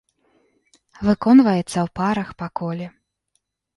Выконваецца ў парах па коле.